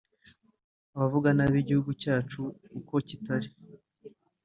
abavuga nabi igihugu cyacu uko kitari